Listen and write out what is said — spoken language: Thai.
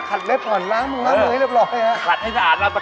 แปรงฮะสนใจไหมฮะ